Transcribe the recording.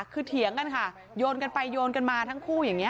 คือเถียงกันค่ะโยนกันไปโยนกันมาทั้งคู่อย่างนี้